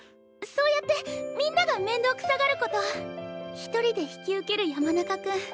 そうやってみんながめんどくさがること１人で引き受ける山中君